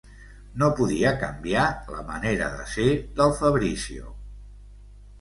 No podia canviar la manera de ser del Fabrizio.